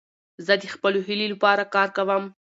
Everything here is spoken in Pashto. زه د خپلو هیلو له پاره کار کوم.